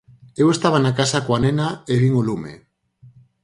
Eu estaba na casa coa nena e vin o lume.